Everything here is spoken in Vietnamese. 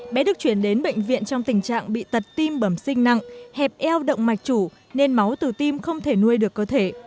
bé được chuyển đến bệnh viện trong tình trạng bị tật tim bẩm sinh nặng hẹp eo động mạch chủ nên máu từ tim không thể nuôi được cơ thể